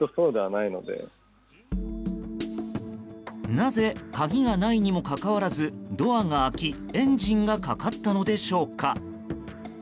なぜ鍵がないにもかかわらずドアが開きエンジンがかかったのでしょうか。